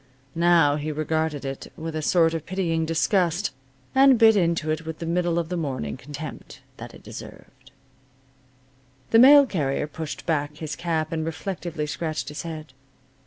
Now he regarded it with a sort of pitying disgust, and bit into it with the middle of the morning contempt that it deserved. The mail carrier pushed back his cap and reflectively scratched his head.